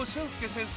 先生